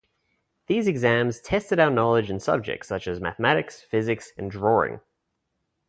These exams tested our knowledge in subjects such as mathematics, physics, and drawing.